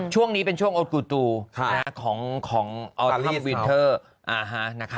ช่วงนี้เป็นช่วงโอ๊ตกูตูของออลท่ำวินเทอร์นะคะ